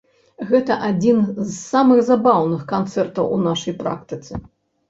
Гэта адзін з самых забаўных канцэртаў у нашай практыцы.